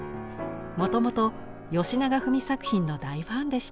もともとよしながふみ作品の大ファンでした。